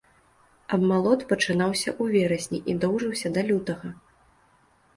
Абмалот пачынаўся ў верасні і доўжыўся да лютага.